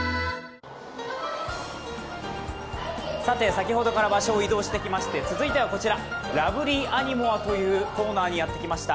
先ほどから場所を移動してきまして続いてはこちら、ラブリー・アニモアというコーナーにやってきました。